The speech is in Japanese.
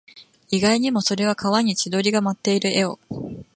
意外にも、それは川に千鳥が舞っている絵を